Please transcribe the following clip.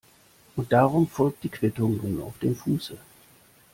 Und darum folgt die Quittung nun auf dem Fuße.